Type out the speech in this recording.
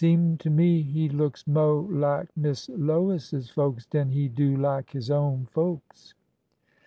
Seem to me he looks mo' lak Miss Lois's folks den he do lak his own folks